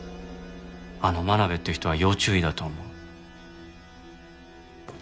あの真鍋っていう人は要注意だと思う。